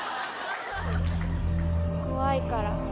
「怖いから」